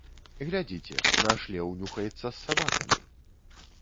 Глядзіце, наш леў нюхаецца з сабакамі.